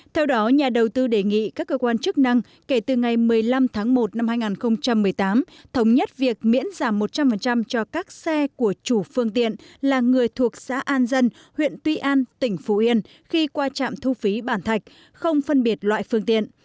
theo đó nhà đầu tư đề nghị các cơ quan chức năng kể từ ngày một mươi năm tháng một năm hai nghìn một mươi tám thống nhất việc miễn giảm một trăm linh cho các xe của chủ phương tiện là người thuộc xã an dân huyện tuy an tỉnh phú yên khi qua trạm thu phí bản thạch không phân biệt loại phương tiện